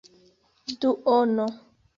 duono